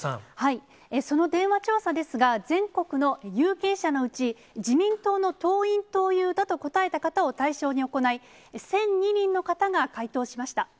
その電話調査ですが、全国の有権者のうち、自民党の党員・党友だと答えた方を対象に行い、１００２人の方が回答しました。